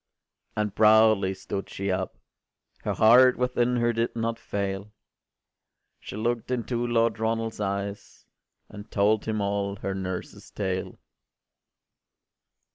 ” O and proudly stood she up! Her heart within her did not fail: She look’d into Lord Ronald’s eyes, And told him all her nurse’s tale.